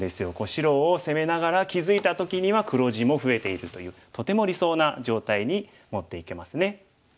白を攻めながら気付いた時には黒地も増えているというとても理想な状態に持っていけますね。